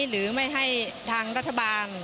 หรือไม่ให้ทางรัฐบาล